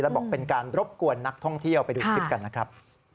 บอกเป็นการรบกวนนักท่องเที่ยวไปดูคลิปกันนะครับ